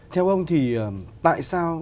theo ông thì tại sao